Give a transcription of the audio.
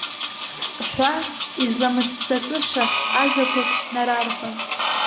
Ҳәа, изламыццакыша ажәақәак нарарҳәон.